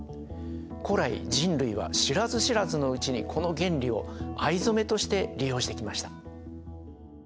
古来人類は知らず知らずのうちにこの原理を藍染めとして利用してきました。